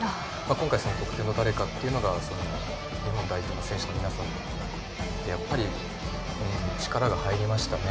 今回、特定の誰かが日本代表の選手の皆さんでやっぱり、力が入りましたね